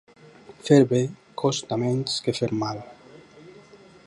Fer bé costa menys que fer mal.